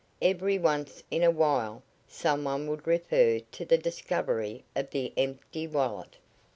Every once in a while some one would refer to the discovery of the empty wallet.